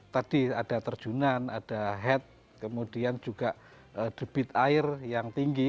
tadi ada terjunan ada head kemudian juga debit air yang tinggi